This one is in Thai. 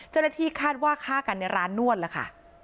เจ้าหน้าที่คาดว่าฆ่ากันในร้านนวดล่ะค่ะ